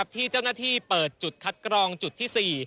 ที่เจ้าหน้าที่เปิดจุดคัดกรองจุดที่๔